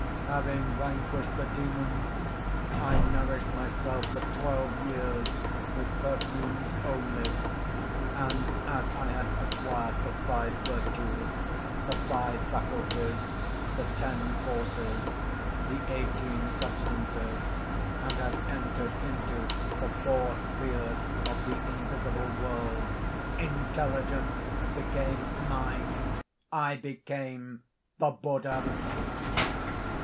"Having vanquished the Demon, I nourished myself for twelve years with perfumes only; and as I had acquired the five virtues, the five faculties, the ten forces, the eighteen substances, and had entered into the four spheres of the invisible world, Intelligence became mine! I became the Buddha." [Illustration: Intelligence became mine! I became the Buddha.